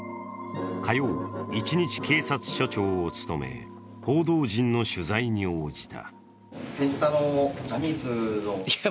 火曜、一日警察署長を務め、報道陣の取材に応じた。